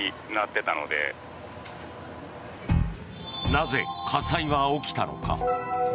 なぜ、火災は起きたのか。